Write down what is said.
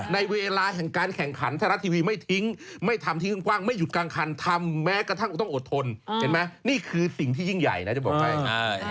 ในเวลาแห่งการแข่งขันไทยรัฐทีวีไม่ทิ้งไม่ทำทิ้งกว้างไม่หยุดกลางคันทำแม้กระทั่งต้องอดทนเห็นไหมนี่คือสิ่งที่ยิ่งใหญ่นะจะบอกไป